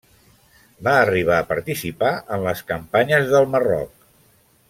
Va arribar a participar en les campanyes del Marroc.